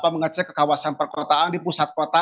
mengecek ke kawasan perkotaan di pusat kota